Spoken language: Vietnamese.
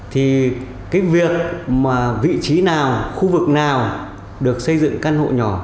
thì cái việc mà vị trí nào khu vực nào được xây dựng căn hộ nhỏ